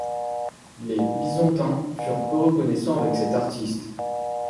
Les bisontins furent peu reconnaissant avec cet artiste.